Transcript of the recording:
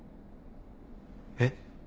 えっ？